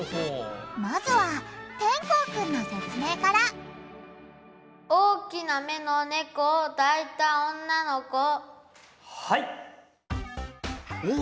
まずはてんこうくんの説明から大きな目の猫を抱いた女の子？